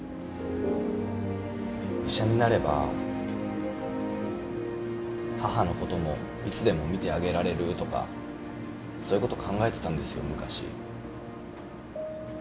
医者になれば母のこともいつでも診てあげられるとかそういうこと考えてたんですよ昔。